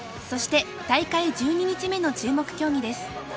そして大会１２日目の注目競技です。